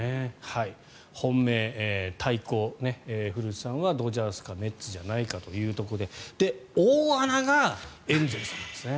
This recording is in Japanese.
本命、対抗古内さんはドジャースかメッツじゃないかというところで大穴がエンゼルスなんですね。